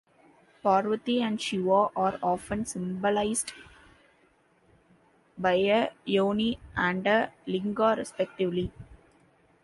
Parvati and Shiva are often symbolized by a yoni and a linga respectively.